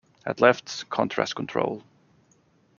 At left, contrast control.